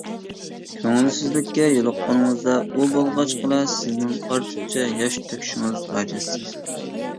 كۆڭۈلسىزلىككە يولۇققىنىڭىزدا ئۇ بولغاچقىلا سىزنىڭ ئارتۇقچە ياش تۆكۈشىڭىز ھاجەتسىز.